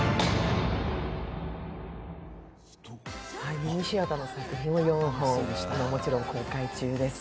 ミニシアターの作品４本、もちろん公開中です。